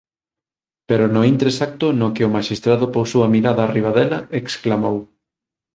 Pero no intre exacto no que o maxistrado pousou a mirada riba dela, exclamou: